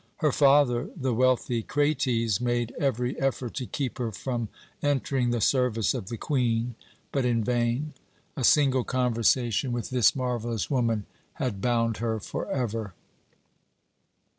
Her father, the wealthy Krates, made every effort to keep her from entering the service of the Queen, but in vain. A single conversation with this marvellous woman had bound her forever.